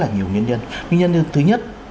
nguyên nhân thứ nhất